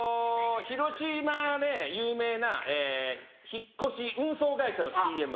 広島で有名な引っ越し運送会社のＣＭ。